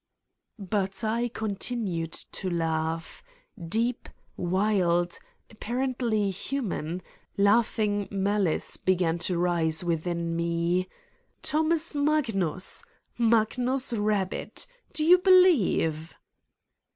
But I continued to laugh: deep, wild appar ently human laughing malice began to rise with in me: "Thomas Magnus! Magnus Rabbit! Do you believe?"